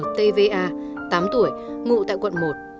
ntva tám tuổi ngụ tại quận một